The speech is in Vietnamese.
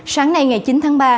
sáng nay ngày chín tháng ba